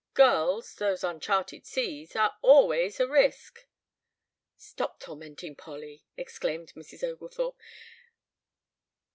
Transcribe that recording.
Girls, those uncharted seas, are always a risk " "Stop tormenting Polly," exclaimed Mrs. Oglethorpe.